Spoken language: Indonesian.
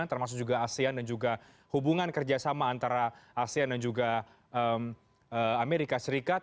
termasuk juga asean dan juga hubungan kerjasama antara asean dan juga amerika serikat